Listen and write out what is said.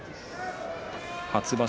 初場所